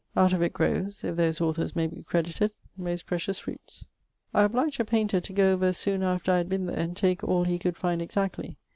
Out of it growes (if those authors may be credited) most precious fruits. I obliged a painter to goe over soon after I had been there and take all he could find exactly.